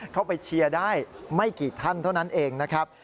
เข้าไปเชียร์ได้ไม่กี่ท่านเท่านั้นเองนะครับ